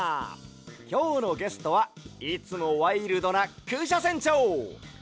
きょうのゲストはいつもワイルドなクシャせんちょう！